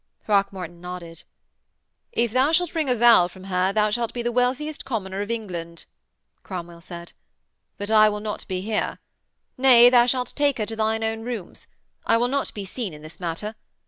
Throckmorton nodded. 'If thou shalt wring avowal from her thou shalt be the wealthiest commoner of England,' Cromwell said. 'But I will not be here. Nay, thou shalt take her to thine own rooms. I will not be seen in this matter.